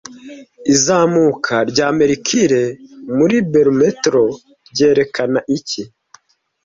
Izamuka rya mercure muri barometero ryerekana iki